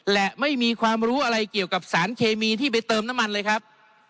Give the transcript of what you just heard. และไม่มีความรู้อะไรเกี่ยวกับสารเคมีที่ไปเติมน้ำมันเลยครับ